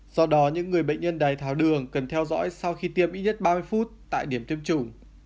do đó những người bệnh nhân đai tháo đường cần theo dõi sau khi tiêm ít nhất ba mươi phút tại điểm tiêm chủng